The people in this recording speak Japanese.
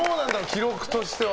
記録としては。